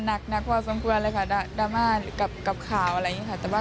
หนักพอสมควรเลยค่ะดราม่ากับข่าวอะไรอย่างนี้ค่ะ